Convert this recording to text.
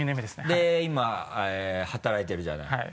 で今働いてるじゃない。